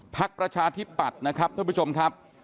ภักดิ์ประชาทิบปัดนะครับทุกผู้ชมครับ